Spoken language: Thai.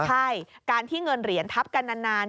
ใช่การที่เงินเหรียญทับกันนาน